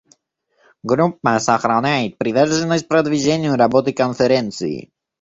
Группа сохраняет приверженность продвижению работы Конференции.